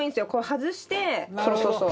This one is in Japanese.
外してそうそうそう。